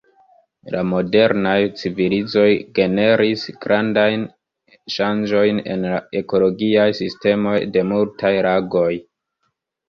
La modernaj civilizoj generis grandajn ŝanĝojn en la ekologiaj sistemoj de multaj lagoj.